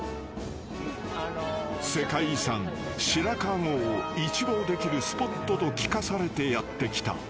［世界遺産白川郷を一望できるスポットと聞かされてやって来た］